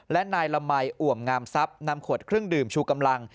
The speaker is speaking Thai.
และนายละมัยอ่วมงามทรัพย์นำขวดเครื่องดื่มชูกำลัง